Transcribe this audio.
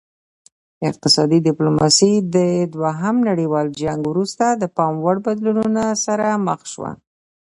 اقتصادي ډیپلوماسي د دوهم نړیوال جنګ وروسته د پام وړ بدلونونو سره مخ شوه